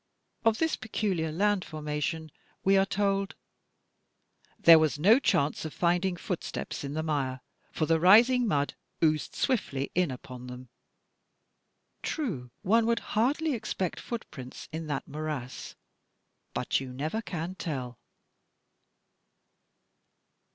Of this peculiar land formation we are told, "there was no chance of finding footsteps in the mire, for the rising mud oozed swiftly in upon them." True, one would hardly expect footprints in that morass, but you never can tell!